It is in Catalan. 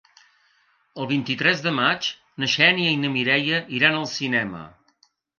El vint-i-tres de maig na Xènia i na Mireia iran al cinema.